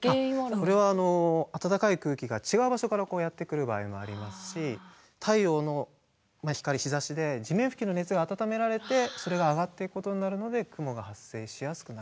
これはあの温かい空気が違う場所からやってくる場合もありますし太陽の光日ざしで地面付近の熱が暖められてそれが上がっていくことになるので雲が発生しやすくなるんですね。